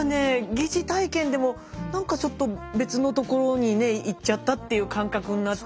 疑似体験でも何かちょっと別のところにね行っちゃったっていう感覚になって。